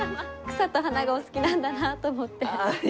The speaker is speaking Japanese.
草と花がお好きなんだなと思って。